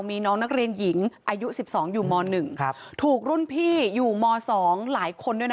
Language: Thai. มีน้องนักเรียนหญิงอายุสิบสองอยู่มหนึ่งครับถูกรุ่นพี่อยู่มสองหลายคนด้วยน่ะ